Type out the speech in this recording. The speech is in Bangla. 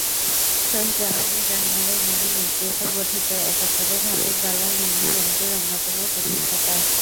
শহীদজননী জাহানারা ইমামের নেতৃত্বে গঠিত একাত্তরের ঘাতক দালাল নির্মূল কমিটির অন্যতম প্রতিষ্ঠাতা।